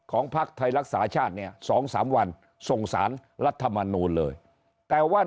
ภักดิ์ไทยรักษาชาติเนี่ย๒๓วันส่งสารรัฐมนูลเลยแต่ว่า